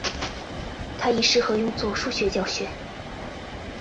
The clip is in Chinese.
它亦适合用作数学教学。